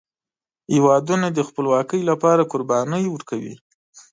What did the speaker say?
هیوادونه د خپلواکۍ لپاره قربانۍ ورکوي.